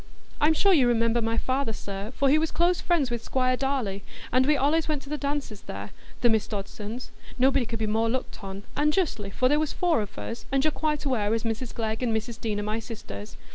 I'm sure you remember my father, sir, for he was close friends with Squire Darleigh, and we allays went to the dances there, the Miss Dodsons,—nobody could be more looked on,—and justly, for there was four of us, and you're quite aware as Mrs Glegg and Mrs Deane are my sisters.